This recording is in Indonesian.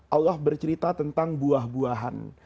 allah bercerita tentang buah buahan